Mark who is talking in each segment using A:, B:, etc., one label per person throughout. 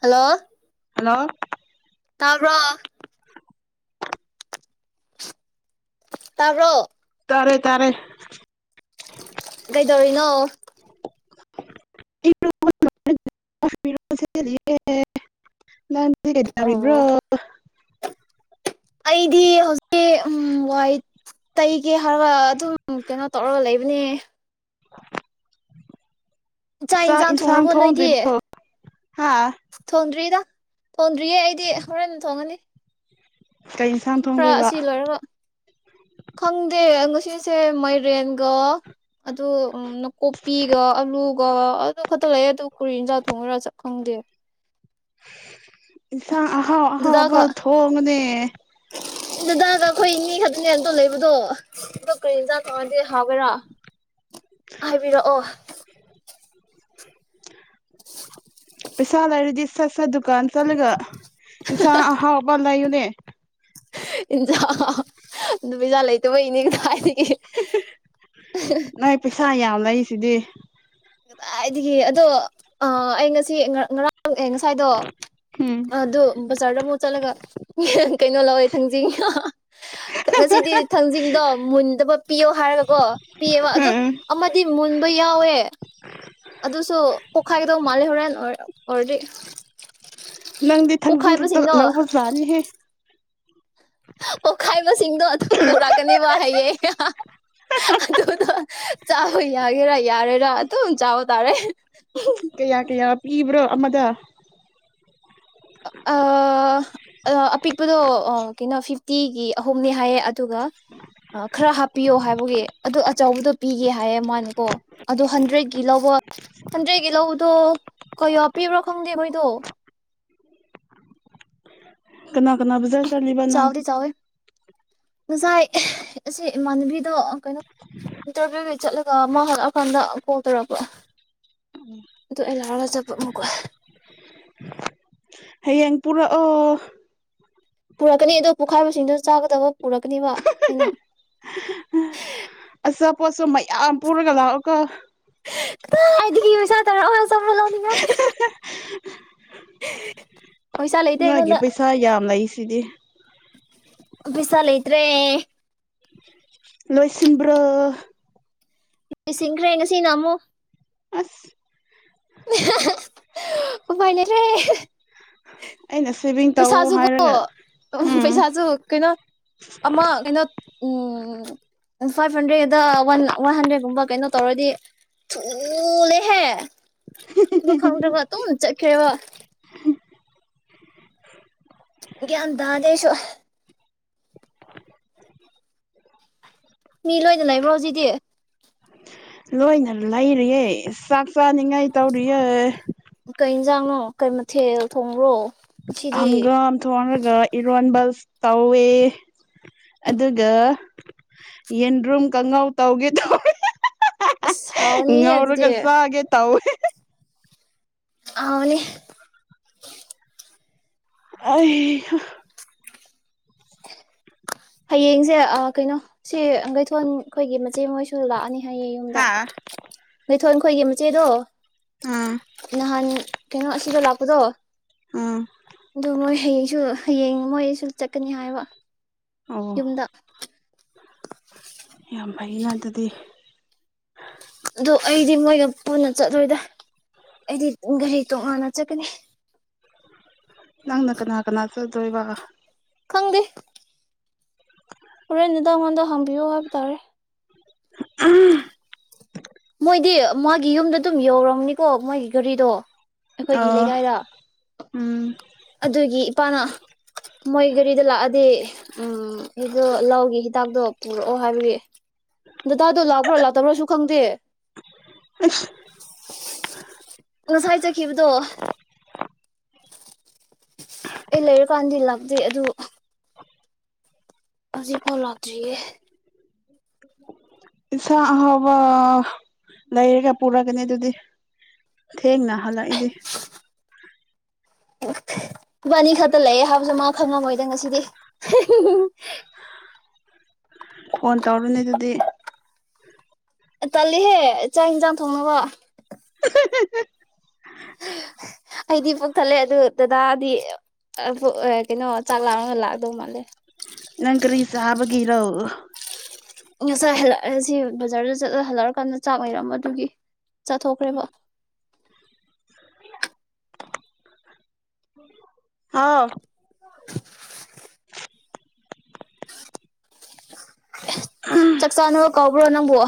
A: hello
B: hello
A: ꯇꯥꯕꯣ ꯇꯔꯛ
B: ꯇꯥꯔꯦ ꯇꯥꯔꯦ
A: ꯀꯩꯗꯧꯔꯤꯅꯣ
B: [inaudible]
A: ꯑꯣ
B: ꯂꯕ꯭ꯔꯣ
A: ꯑꯩꯗꯤ ꯍꯧꯖꯤꯛ ꯎ ꯋꯥꯍ ꯇꯩꯒꯦ ꯍꯥꯏ ꯑꯗꯨꯝ ꯎꯝ ꯀꯩꯅꯣ ꯇꯧꯔꯒ ꯂꯩꯕꯅꯦ
B: [inaudible]
A: ꯏꯆꯥꯥꯛ
B: ꯆꯥꯛ
A: ꯏꯟꯁꯥꯡ ꯊꯣꯡꯔꯕꯣ ꯅꯣꯏꯗꯤ
B: ꯊꯣꯡꯗ꯭ꯔꯤꯕꯣ ꯍꯥ
A: ꯊꯣꯡꯗ꯭ꯔꯤꯗ ꯊꯣꯡꯗ꯭ꯔꯤꯌꯦ ꯑꯩꯗꯤ ꯍꯣꯔꯦꯟ ꯊꯣꯡꯉꯅꯤ
B: ꯀꯩ ꯏꯟꯁꯥꯡ
A: ꯈꯔ
B: ꯊꯣꯡꯗꯣꯏꯕ
A: ꯑꯁꯤ ꯂꯣꯏꯔꯒ ꯈꯪꯗꯦ ꯁꯤꯁꯦ ꯃꯥꯏꯔꯦꯟꯒ ꯑꯗꯨ ꯅꯥꯀꯨꯞꯄꯤꯒ ꯑꯂꯨꯒ ꯑꯗꯨ ꯈꯛꯇ ꯂꯩꯌꯦ ꯑꯗꯨ ꯀꯔꯤ ꯌꯦꯟꯖꯥꯛ ꯊꯣꯡꯉꯔ ꯆꯠ ꯈꯪꯗꯦ
B: ꯑꯍꯥꯎ ꯑꯍꯥꯎꯕ
A: ꯗꯗꯥꯒ
B: ꯊꯣꯡꯅꯦ
A: ꯅꯦ ꯑꯇꯣ ꯂꯩꯕꯗꯣ ꯑꯗꯣ ꯀꯔꯤꯖꯥꯛ ꯀꯥꯟꯗꯦ ꯍꯥꯏꯒ꯭ꯔꯥ ꯍꯥꯏꯕꯤꯔꯛꯑꯣ
B: ꯄꯩꯁꯥ ꯂꯩꯔꯗꯤ ꯏꯁ ꯁ ꯗꯨꯀꯥꯟ ꯆꯠꯂꯒ ꯍꯥꯎꯕꯂꯣꯟ ꯅꯦ
A: ꯏꯟꯖꯥ ꯑꯗꯨꯝ ꯏꯖꯥ ꯂꯩꯇꯕ ꯏꯅꯦꯒ ꯍꯥꯏꯗꯤ
B: ꯅꯣꯏ ꯄꯩꯁꯥ ꯌꯥꯝ ꯂꯩ ꯁꯤꯗꯤ
A: ꯀꯗꯥꯏꯗꯒꯤ ꯑꯗꯣ ꯑ ꯑꯩ ꯉꯁꯤ ꯑꯦ ꯉꯁꯥꯏꯗꯣ
B: ꯎꯝ
A: ꯑꯗꯨꯣ ꯕꯖꯥꯔꯗ ꯃꯨ ꯆꯠꯂꯒ ꯀꯩꯅꯣ ꯂꯧꯋꯦ ꯊꯥꯡꯖꯤꯡ ꯉꯁꯤꯗꯤ ꯊꯥꯡꯖꯤꯡꯗꯣ ꯃꯨꯟꯗꯕ ꯄꯤꯌꯣ ꯍꯥꯏꯔꯒꯀꯣ ꯄꯤꯌꯦꯕ ꯑꯗꯣ
B: ꯎꯝ
A: ꯑꯃꯗꯤ ꯃꯨꯟꯕ ꯌꯥꯎꯋꯦ ꯑꯗꯨꯁꯨ ꯄꯣꯛꯈꯥꯏꯒꯗꯧ ꯃꯥꯂꯦ ꯍꯣꯔꯦꯟꯦꯟ ꯑꯣꯏꯔꯗꯤ
B: ꯅꯪꯗꯤ ꯊꯪꯒ ꯊꯛꯇ
A: ꯄꯣꯛꯈꯥꯏꯕꯁꯤꯡꯗꯣ
B: ꯂꯒꯄꯒ ꯁꯔꯤ ꯍ
A: ꯑꯣꯠꯈꯥꯏꯕꯁꯤꯡꯗꯣ ꯑꯗꯨꯝ ꯄꯨꯔꯛꯀꯅꯤꯕ ꯍꯌꯦꯌꯦꯡ ꯑꯗꯨꯗꯣ ꯆꯥꯕ ꯌꯥꯒꯦꯔꯥ ꯌꯥꯔꯦꯔꯥ ꯑꯗꯨꯝ ꯆꯥꯕ ꯇꯥꯔꯦ
B: ꯀꯌꯥ ꯀꯌꯥ ꯄꯤꯕ꯭ꯔꯣ ꯑꯃꯗ
A: ꯑꯄꯤꯛꯄꯗꯣ ꯀꯩꯅꯣ ꯐꯤꯐꯇꯤꯒꯤ ꯑꯍꯨꯝꯅꯤ ꯍꯥꯏꯌꯦ ꯑꯗꯨꯒ ꯈꯔ ꯍꯥꯞꯄꯤꯌꯣ ꯍꯥꯏꯕꯒꯤ ꯑꯗꯨ ꯑꯆꯧꯕꯗꯣ ꯄꯤꯒꯦ ꯍꯥꯏꯌꯦ ꯃꯥꯜꯜꯂꯤ ꯑꯣ ꯑꯗꯨꯗꯣ ꯍꯟꯗ꯭ꯔꯦꯠꯀꯤ ꯂꯧꯕ ꯍꯟꯗ꯭ꯔꯦꯠꯀꯤ ꯂꯧꯕꯗꯣ ꯀꯣ ꯄꯤꯕ꯭ꯔꯣ ꯈꯪꯗꯦꯈꯣꯏꯗꯣ
B: ꯀꯅꯥ ꯀꯅꯥ ꯕꯖꯥ
A: ꯆꯥꯎꯕꯗꯤ ꯆꯋꯦ ꯉꯁꯥꯏ ꯑꯁꯤ ꯏꯃꯥꯟꯅꯕꯤꯗꯣ ꯀꯩꯅꯣ ꯏꯟꯇꯔꯚꯤꯌꯨꯗ ꯆꯠꯂꯒ ꯃꯥ ꯍꯜꯂꯛꯑꯀꯥꯟꯗ ꯀꯣꯜ ꯇꯧꯔꯛꯄ ꯑꯗꯨ ꯑꯩ ꯂꯥꯎꯔꯒ ꯆꯠꯄ ꯑꯃꯨꯀꯣ
B: ꯍꯌꯦꯡꯄꯨꯔ ꯑꯣ
A: ꯄꯨꯔꯛꯀꯅꯤ ꯑꯗꯣ ꯄꯣꯛꯈꯥꯏꯕꯁꯤꯡꯗꯨ ꯆꯥꯒꯗꯕ ꯄꯨꯔꯛꯀꯅꯤꯕ ꯑꯩꯅ
B: ꯑꯆꯥꯄꯣꯠꯁꯨ ꯃꯌꯥꯝ ꯄꯨꯔꯒ ꯂꯥꯛꯑꯣ ꯀꯣ
A: ꯀꯈꯤꯗꯤ ꯄꯩꯁꯥ ꯇꯧꯔ ꯃ ꯂꯅꯤꯡ ꯍꯥꯏ ꯎ
B: ꯅꯣꯏ ꯄꯩꯁꯥ ꯌꯥꯝ ꯂꯩꯁꯤ ꯑꯗꯨꯗꯤ
A: ꯄꯩꯁꯥ ꯂꯩꯗ꯭ꯔꯦ
B: ꯂꯣꯏꯁꯤꯟꯕ꯭ꯔꯥ
A: ꯁꯤꯡꯈ꯭ꯔꯦ ꯉꯁꯤ ꯅꯝꯃꯨ
B: ꯑꯁ
A: [inaudible] ꯎꯃꯥꯏꯅꯦꯔꯦ
B: ꯑꯩꯅ ꯁꯦꯚꯤꯡ ꯇꯧ
A: ꯄꯩꯁꯥꯁꯨꯀꯣ
B: ꯍꯥꯏꯔꯒ
A: ꯎ
B: ꯎꯝ
A: ꯄꯩꯁꯥꯁꯨ ꯀꯩꯅꯣ ꯑꯃ ꯀꯩꯅꯣ ꯎꯝ ꯎ ꯐꯥꯏꯚ ꯍꯟꯗ꯭ꯔꯦꯗꯗ ꯋꯥꯟ ꯋꯥꯟ ꯍꯟꯗ꯭ꯔꯦꯗꯀꯨꯝꯕ ꯀꯩꯅꯣ ꯇꯧꯔꯗꯤ ꯊꯨꯂꯦꯍꯦ ꯂꯨꯡ ꯈꯪꯗ ꯀ ꯇꯨꯡ ꯆꯠꯈꯔꯦꯕ ꯒꯌ꯭ꯥꯟ ꯇꯥꯗꯦ ꯑꯩꯁꯨ ꯃꯤ ꯂꯣꯏꯅ ꯂꯩꯕ꯭ꯔꯣ ꯍꯧꯖꯤꯗꯤ
B: ꯂꯣꯏꯅ ꯂꯩꯔꯤꯌꯦ ꯆꯥꯛ ꯆꯥꯅꯤꯡꯉꯥꯏ ꯇꯧꯔꯤꯌꯦ
A: ꯀꯩ ꯌꯦꯟꯖꯥꯡꯅꯣ ꯀꯩ ꯃꯊꯦꯜ ꯊꯣꯡꯕ꯭ꯔꯣ ꯉꯁꯤꯗꯤ
B: ꯍꯪꯒꯥꯝ ꯊꯣꯡꯉꯒ ꯏꯔꯣꯟꯕꯜ ꯇꯧꯋꯦ ꯑꯗꯨꯒ ꯌꯦꯟꯗ꯭ꯔꯨꯝ ꯀꯥꯡꯉꯧ ꯇꯧꯒꯦ ꯇꯧꯋꯦ
A: ꯑꯁ ꯍꯥꯎꯅꯤꯍꯦ ꯑꯗꯨꯗꯤ
B: ꯉꯧꯔꯒ ꯆꯥꯒꯦ ꯇꯧꯋꯦ
A: ꯑꯅꯦ
B: ꯑ
A: ꯍꯌꯦꯡꯁꯦ ꯀꯩꯅꯣ ꯁꯤ ꯑꯪꯒꯩꯊꯣꯟ ꯑꯩꯈꯣꯏꯒꯤ ꯃꯆꯦ ꯃꯣꯏꯁꯨ ꯂꯥꯛꯑꯅꯤ
B: ꯍꯥꯥ
A: ꯊꯣꯟ ꯈꯣꯏꯒꯤ ꯃꯆꯦꯗꯣ ꯅꯍꯥꯟ ꯀꯩꯅꯣ ꯑꯁꯤꯗ ꯂꯥꯛꯄꯗꯣ
B: ꯎꯝ
A: ꯑꯗꯣ ꯃꯣꯏ ꯍꯌꯦꯡꯁꯨ ꯍꯌꯦꯡ ꯃꯣꯏꯁꯨ ꯆꯠꯀꯅꯤ ꯍꯥꯏꯕ
B: ꯑꯣ
A: ꯌꯨꯝꯗ
B: ꯑꯩꯒꯤ ꯉꯥꯛꯇꯗꯤ
A: ꯑꯗꯣ ꯑꯩꯗꯤ ꯃꯣꯏꯒ ꯄꯨꯨꯅ ꯆꯠꯂꯣꯏꯗ ꯑꯩꯗꯤ ꯒꯥꯔꯤ ꯇꯣꯉꯥꯟꯅ ꯆꯠꯀꯅꯤ
B: ꯅꯪꯅ ꯀꯅꯥ ꯀꯅꯥ ꯆꯠꯗꯣꯏꯕ
A: ꯗꯤ ꯍꯣꯔꯦꯟ ꯅꯨꯡꯗꯥꯪ ꯑꯩꯉꯣꯟꯗ ꯍꯪꯕꯤꯌꯨ ꯍꯥꯏꯕ ꯇꯥꯔꯦ
B: ꯑ
A: ꯃꯣꯏꯗꯤ ꯃꯥꯒꯤ ꯌꯨꯝꯗ ꯑꯗꯨꯝ ꯌꯧꯔꯝꯅꯤꯀꯣ ꯃꯣꯏꯒꯤ ꯒꯥꯔꯤꯗꯣ ꯑꯩꯈꯣꯏꯒꯤ
B: ꯑꯥ
A: ꯂꯩꯀꯥꯏꯗ
B: ꯎꯝ
A: ꯑꯗꯨꯒꯤ ꯏꯄꯥꯅ ꯃꯣꯏ ꯒꯥꯔꯤꯗ ꯂꯥꯛꯑꯗꯤ ꯎꯝ ꯑꯩꯗꯣ ꯂꯥꯎꯒꯦ ꯍꯤꯗꯥꯛꯇꯣ ꯄꯨꯔꯛꯑꯣ ꯍꯥꯏꯕꯒꯤ ꯗꯇꯥꯗꯣ ꯂꯥꯛꯄ꯭ꯔꯣ ꯂꯥꯛꯇꯕ꯭ꯔꯣꯁꯨ ꯈꯪꯗꯦ
B: ꯑ
A: ꯑꯣꯁꯥꯏꯖꯈꯤꯕꯗꯣ ꯑꯩ ꯂꯩꯔꯨꯀꯥꯟꯗꯤ ꯂꯥꯛꯗꯦ ꯑꯗꯨ ꯍꯧꯖꯤ ꯐꯥꯎ ꯂꯥꯛꯇ꯭ꯔꯤꯌꯦ
B: ꯏꯁꯥ ꯑꯐꯥꯎꯕ ꯂꯩꯔꯒ ꯄꯨꯔꯛꯒꯅꯤ ꯑꯗꯨꯗꯤ ꯊꯦꯡꯅ ꯍꯜꯂꯛꯏꯗꯤ
A: ꯅꯨꯄꯥꯅꯤ ꯈꯛꯇ ꯂꯩꯌꯦꯦ ꯍꯥꯏꯕꯁꯨ ꯃꯥ ꯈꯪꯉꯝꯃꯣꯏꯗ ꯉꯁꯤꯗꯤ
B: ꯐꯣꯟ ꯇꯧꯔꯨꯅꯦ ꯑꯗꯨꯗꯤ
A: ꯇꯜꯂꯤꯍꯦ ꯆꯥꯛ ꯌꯦꯟꯁꯥꯡ ꯊꯣꯡꯅꯕ ꯑꯩꯗꯤ ꯄꯣꯛꯊꯠꯂꯦ ꯑꯗꯨ ꯗꯗꯥꯗꯤ ꯀꯩꯅꯣ ꯆꯥꯛ ꯂꯥꯛꯔꯒ ꯂꯥꯛꯗꯧ ꯃꯥꯜꯂꯦ
B: ꯅꯪ ꯀꯔꯤ ꯆꯥꯕꯒꯤꯔꯣ
A: ꯉꯁꯥꯏ ꯍꯜꯂꯛꯑꯦ ꯁꯤ ꯕꯖꯥꯔꯗ ꯆꯠꯂ ꯍꯜꯂꯛꯑꯀꯥꯟꯗ ꯆꯥꯛ ꯂꯩꯩꯔꯝꯕ ꯑꯗꯨꯒꯤ ꯆꯥꯊꯣꯛꯈ꯭ꯔꯦꯕ
B: ꯑꯥꯎ ꯑ
A: ꯆꯥꯛꯆꯥꯥꯅ ꯀꯧꯕꯕ꯭ꯔꯣ ꯅꯪꯝꯕ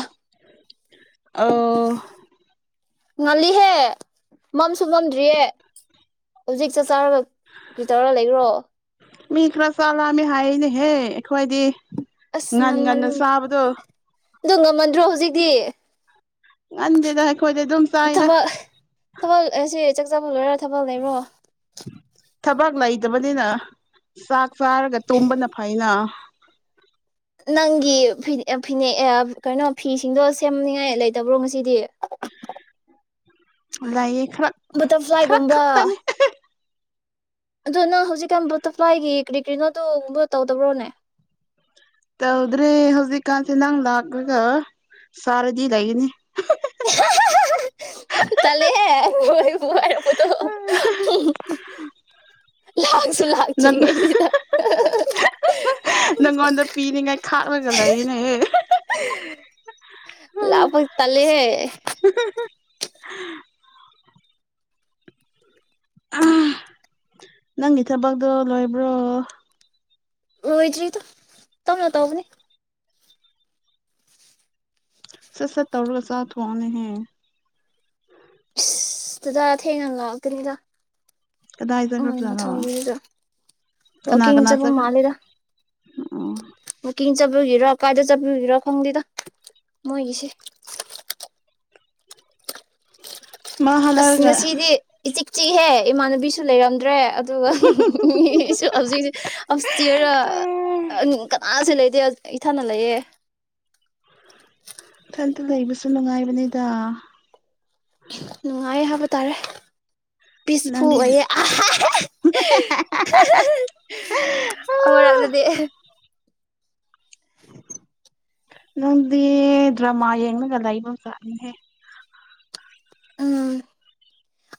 B: ꯑꯣ
A: ꯉꯜꯂꯤꯍꯦ ꯃꯝꯁꯨ ꯃꯝꯗ꯭ꯔꯤꯌꯦ ꯍꯧꯖꯤꯛ ꯆꯥꯛ ꯆꯔꯕ ꯀꯔꯤ ꯇꯧꯔ ꯂꯩꯈ꯭ꯔꯣ
B: ꯃꯤ ꯈꯔ ꯆꯠꯂꯛꯑꯃꯤ ꯍꯥꯏꯅꯦꯍꯦ ꯑꯩꯈꯣꯏꯗꯤ ꯉꯟ ꯉꯟꯅ ꯆꯥꯕꯗꯣ
A: ꯑꯣ ꯉꯝꯃꯟꯗ꯭ꯔꯣ ꯍꯧꯖꯤꯛꯇꯤ
B: ꯉꯟꯗꯦꯗ ꯑꯩꯈꯣꯏꯗꯤ ꯑꯗꯨꯝ ꯆꯥꯏꯗ
A: ꯖꯝꯅꯣꯏꯔ ꯆꯕ ꯂꯩꯔꯣ
B: ꯊꯕꯥꯛ ꯂꯩꯇꯕꯅꯤꯅ ꯆ ꯆꯥꯔꯒ ꯇꯨꯝꯕꯅ ꯐꯅ
A: ꯅꯪꯒꯤ ꯐꯤ ꯐꯤꯅꯦꯦꯛ ꯀꯩꯅꯣ ꯐꯤꯁꯤꯡꯗꯣ ꯁꯦꯝꯅꯤꯉꯥꯏ ꯂꯩꯇꯕ꯭ꯔꯣ ꯉꯁꯤꯗꯤ
B: ꯂꯥꯏꯌꯦ ꯈꯔ ꯈꯔ
A: ꯕꯇꯔꯐ꯭ꯂꯥꯏꯒꯨꯝꯕ
B: ꯈꯅꯦ
A: ꯑꯗꯨ ꯅꯪ ꯍꯧꯖꯤꯛꯀꯥꯟ ꯕꯇꯔꯐ꯭ꯂꯥꯏꯒꯤ ꯀꯔꯤ ꯀꯔꯤꯅꯣꯗꯨꯒꯨꯝꯕ ꯇꯧꯗꯕ꯭ꯔꯣꯅꯦ
B: ꯇ ꯎꯗꯔ ꯍꯧꯖꯤꯛꯀꯥꯟꯁꯤꯦ ꯅꯪ ꯂꯥꯛꯒꯒ ꯁꯔꯗꯤ ꯂꯩꯅꯤ
A: ꯇꯂꯦ ꯂꯥꯛꯁꯨ ꯂꯥꯛꯇ꯭ꯔꯤꯉꯩꯁꯤꯗ
B: ꯅꯪꯉꯣꯟꯗ ꯄꯤꯅꯤꯡꯉꯥꯏ ꯈꯥꯛꯂꯒ ꯂꯩꯔꯤꯅꯦꯍꯦ
A: ꯂꯕ ꯇꯂꯦꯦ
B: [unintelligible] ꯅꯪꯒꯤ ꯊꯕꯛꯇꯣ ꯂꯣꯏꯕ꯭ꯔꯣ
A: ꯔ ꯏꯗ꯭ꯔꯤ ꯇ ꯇꯝꯅ ꯇꯧꯕꯅꯦ
B: ꯁ ꯁ ꯇꯧꯔꯒ ꯁꯥ ꯋꯥꯅ ꯍꯦ
A: ꯗꯥ ꯊꯦꯡ ꯉ ꯂꯥꯛ ꯀꯔꯤꯗ
B: ꯀꯗꯥꯏ
A: ꯎ ꯃ
B: ꯆꯠꯈ꯭ꯔꯕꯖꯥꯠꯅꯣ
A: ꯊꯗ ꯋꯥ
B: ꯀꯅꯥ ꯀꯅꯥ
A: ꯆꯄ ꯃꯥ
B: ꯆꯠꯈ꯭ꯔ
A: ꯂꯩꯗ
B: ꯑꯣ
A: ꯃꯀꯤꯡ ꯆꯠꯄꯤꯒꯤꯔ ꯀꯥꯏꯗ ꯆꯠꯄꯤꯈꯤꯔꯣ ꯈꯪꯗꯦꯗ ꯃꯣꯏꯒꯤꯁꯤꯦ
B: ꯃꯥ
A: ꯑꯁ
B: ꯍꯂꯔꯒ
A: ꯉꯁꯤꯗꯤ ꯏꯆꯤꯛ ꯆꯤꯛꯍꯦ ꯏꯃꯥꯟꯅꯕꯤꯁꯨ ꯂꯩꯔꯝꯗ꯭ꯔꯦ ꯑꯗꯨꯒ ꯍꯧꯖꯤꯛ ꯍꯧꯔ ꯀꯅꯥꯁꯨ ꯂꯩ ꯏꯊꯅ ꯂꯩꯌꯦꯦ
B: ꯏꯟꯇ ꯂꯩꯕꯁꯨ ꯅꯨꯡꯉꯥꯏꯕꯅꯤꯗ
A: ꯅꯨꯡꯉꯥꯏ ꯍꯥꯏꯕ ꯇꯥꯔꯦ ꯄꯤꯁꯐꯨ
B: ꯅꯪꯗꯤ
A: ꯑꯣꯏꯌꯦ ꯑꯃꯔꯛꯗꯗꯤ [unintelligible]
B: ꯅꯪꯗꯤ ꯗ꯭ꯔꯃꯥ ꯌꯦꯡꯉꯒ ꯂꯩꯥꯛꯕ ꯆꯠꯅꯤꯍꯦ
A: ꯑꯝ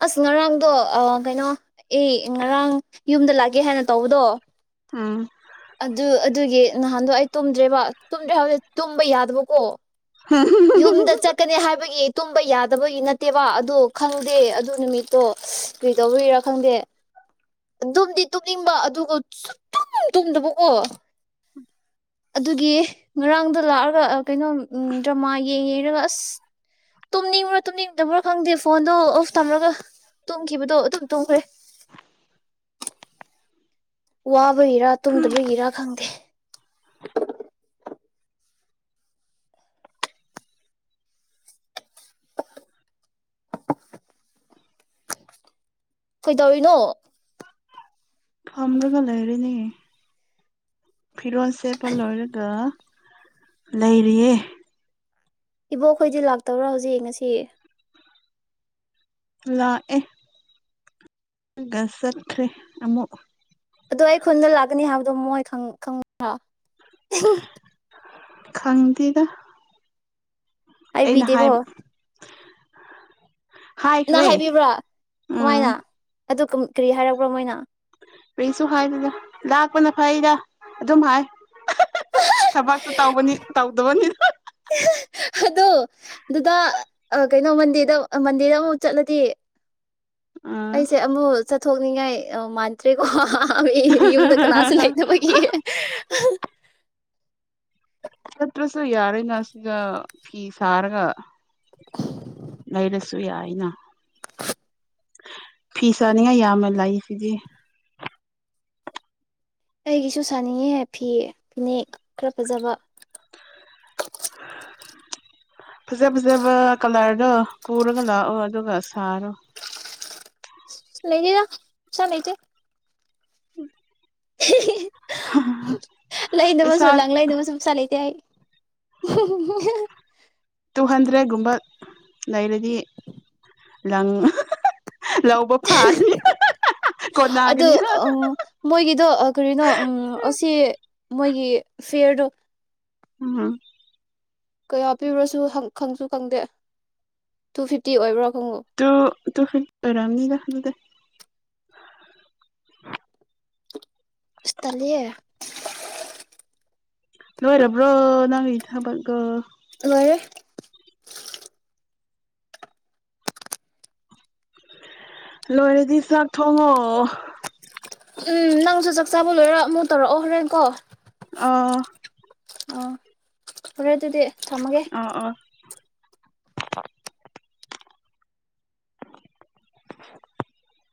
A: ꯑꯁ ꯉꯔꯥꯡꯗꯣ ꯀꯩꯅꯣ ꯑꯦ ꯉꯔꯥꯡ ꯌꯨꯝꯗ ꯂꯥꯛꯒꯦ ꯍꯥꯏꯅ ꯇꯧꯕꯗꯣ
B: ꯎꯝ
A: ꯑꯗꯨ ꯑꯗꯨꯒꯤ ꯅꯍꯥꯟꯗꯣ ꯑꯩ ꯇꯨꯝꯗ꯭ꯔꯦꯕ ꯇꯨꯝꯗ꯭ꯔꯦ ꯍꯥꯏꯕꯗꯤ ꯇꯨꯝꯕ ꯌꯥꯗꯕꯀꯣ
B: ꯍꯝ
A: ꯌꯨꯝꯗ ꯆꯠꯀꯅꯤ ꯍꯥꯏꯕꯒꯤ ꯇꯨꯝꯕ ꯌꯥꯗꯕꯒꯤ ꯅꯠꯇꯦꯕ ꯑꯗ ꯈꯪꯗꯦ ꯑꯗꯨ ꯅꯨꯃꯤꯠꯇꯣ ꯀꯩꯗꯧꯔꯤꯔꯥ ꯈꯪꯗꯦ ꯑꯗꯨꯝꯗꯤ ꯇꯨꯝꯅꯤꯡꯕ ꯑꯗꯨꯒꯨꯝ ꯇꯨꯝꯗꯕꯀꯣ ꯑꯗꯨꯒꯤ ꯉꯔꯥꯡꯗ ꯂꯥꯛꯑꯒ ꯀꯩꯅꯣ ꯎ ꯃꯥꯦ ꯇꯨꯝꯅꯤꯡꯕ꯭ꯔꯣ ꯇꯨꯝꯅꯤꯡꯗꯕ꯭ꯔꯣ ꯈꯪꯗꯦ ꯐꯣꯟꯗꯣ ꯑꯣꯐ ꯊꯝꯃꯒ ꯇꯨꯝꯈꯤꯕꯗꯣ ꯑꯗꯨꯝ ꯇꯨꯝꯈ꯭ꯔꯦ ꯋꯥ ꯇꯕꯨꯒꯤꯔꯥ ꯇꯨꯝꯗꯕꯒꯤꯔꯥ ꯈꯪꯗꯦ ꯀꯩꯗꯧꯔꯤꯅꯣ
B: ꯐꯅꯒ ꯂꯩ ꯍꯥꯏꯔꯤꯅꯤ ꯐꯤꯔꯣꯟꯁꯦ ꯐ ꯂꯣꯏꯔꯦꯒ ꯂꯩꯔꯤꯌꯦ
A: ꯏꯕꯣ ꯑꯩꯈꯣꯏꯗꯤ ꯂꯥꯛꯇꯕ꯭ꯔꯥ ꯍꯧꯖꯤꯛ ꯉꯁꯤ
B: ꯂꯥꯛꯑꯦ ꯆꯠꯈ꯭ꯔꯦ ꯑꯃꯨꯛ
A: ꯑꯣ ꯑꯩ ꯈꯨꯟꯗ ꯂꯥꯛꯀꯅꯤ ꯍꯥꯏꯕꯗꯣ ꯃꯣꯏ ꯈꯪ꯭ꯔ
B: ꯈꯪꯇꯤꯗ
A: ꯑꯥꯏꯕꯤꯗꯦꯀꯣ ꯅꯅꯥ
B: ꯍꯥꯏꯈ꯭ꯔꯦ
A: ꯍꯥꯏꯕꯤꯕ꯭ꯔꯥ
B: ꯎꯝ
A: ꯀꯃꯥꯏꯅ ꯑꯗꯨ ꯀꯔꯤ ꯍꯥꯏꯛꯔꯕ꯭ꯔꯣ ꯃꯣꯏꯅ
B: ꯀꯩꯁꯨ ꯍꯥꯏꯗꯅ ꯂꯥꯛꯄꯅ ꯐꯩꯔ ꯑꯗꯨꯝ ꯍꯥꯏ ꯊꯕꯛꯁꯨ ꯇꯅꯤ ꯇꯧꯗꯕꯅꯤ
A: ꯑꯗꯣ ꯑꯗꯨꯗ ꯀꯩꯅꯣ ꯃꯟꯗꯦꯗ ꯃꯟꯗꯦꯗ ꯑꯃꯨꯛ ꯆꯠꯂꯗꯤ ꯑꯩꯁꯦ ꯑꯃꯃꯨ ꯆꯠ ꯊꯣꯛꯅꯤꯡꯉꯥꯏ ꯃꯥꯟꯗ꯭ꯔꯦꯀꯣ ꯌ ꯌꯨꯝꯗ
B: ꯑꯥ
A: ꯀꯅꯥꯁꯤꯅ ꯆꯃꯒꯤꯦ
B: ꯆꯠꯇ꯭ꯔꯁꯨ ꯌꯥꯔꯦꯅ ꯁꯤꯗ ꯐꯤ ꯁꯥꯔꯒ ꯂꯩꯔꯁꯨ ꯌꯥꯏꯅ ꯐꯤ ꯁꯥꯅꯤꯡꯉꯥꯏ ꯌꯥꯝꯃ ꯂꯥꯛꯏꯁꯤꯗꯤ
A: ꯑꯩꯒꯤꯁꯨ ꯁꯥꯅꯤꯡꯉꯦ ꯐꯤ ꯐꯤꯅꯦꯛ ꯈꯔ ꯐꯖꯕ
B: ꯐꯖ ꯐꯖꯕ ꯀꯂꯔꯗꯣ ꯄꯨꯔꯒ ꯂꯥꯛꯑꯣ ꯑꯗꯨꯒ ꯁꯥꯔꯣ
A: ꯂꯩꯒ ꯌꯥ ꯆ ꯂꯩꯇꯦ
B: ꯎꯝ
A: [unintelligible] ꯂꯩꯕꯁꯨ
B: ꯄꯩꯁꯥ
A: ꯂꯪ ꯂꯩꯅꯕꯁꯨ ꯄꯩꯁꯥ ꯂꯩꯇꯦ ꯑꯩ [unintelligible]
B: ꯇꯨ ꯍꯟꯗ꯭ꯔꯦꯗꯀꯨꯝꯕ ꯂꯩꯔꯗꯤ ꯂꯪ ꯂꯧꯕ ꯐꯥꯔꯅꯤ ꯀꯣꯟꯅꯒꯅꯤꯅ
A: ꯑ ꯃꯣꯏꯒꯤꯗꯣ ꯀꯔꯤꯅꯣ ꯎꯝ ꯑꯁꯤ ꯃꯣꯏꯒꯤ ꯐꯦꯌꯔ
B: ꯎꯝ
A: ꯀꯌꯥ ꯄꯤꯕ꯭ꯔꯁꯨ ꯈꯪꯁꯨ ꯈꯪꯗꯦ ꯇꯨ ꯐꯤꯐꯇꯤ ꯑꯣꯏꯕ꯭ꯔꯣ
B: ꯇ ꯇ ꯍꯔ ꯑꯔꯝꯅꯤꯒ ꯍꯂꯗ ꯎꯝ
A: ꯁꯇꯂꯦ
B: ꯂꯣꯏꯔꯔꯕ꯭ꯔꯣ ꯅꯅꯥꯏ ꯊꯕꯒꯣ
A: ꯔꯦ
B: ꯂꯣꯏꯔꯗꯤ ꯆꯥꯛ ꯊꯣꯡꯉꯣ
A: ꯎꯝ ꯅꯪꯁꯨ ꯆꯥꯛ ꯆꯥꯕ ꯂꯣꯏꯔ ꯑꯃꯨꯛ ꯇꯧꯔꯛꯑꯣ ꯍꯣꯔꯦꯟꯀꯣ
B: ꯑ
A: ꯑꯔ ꯑꯗꯨꯗꯤ ꯊꯝꯃꯒꯦ
B: ꯑꯥ ꯑꯥ [unintelligible] [unintelligible]